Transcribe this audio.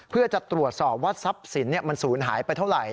เพื่อจะตรวจสอบว่าทรัพย์สินมันศูนย์หายไปเท่าไหร่